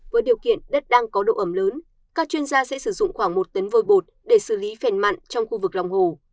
với điều kiện đất đang có độ ẩm lớn các chuyên gia sẽ sử dụng khoảng một tấn vôi bột để xử lý phèn mặn trong khu vực lòng hồ